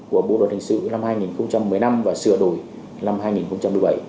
một trăm một mươi bốn của bộ đoàn thành sự năm hai nghìn một mươi năm và sửa đổi năm hai nghìn một mươi bảy